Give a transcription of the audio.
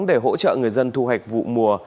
để hỗ trợ người dân thu hạch vụ mùa